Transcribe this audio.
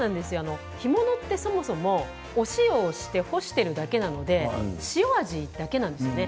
干物はお塩をして干しているだけなので塩味だけなんですね。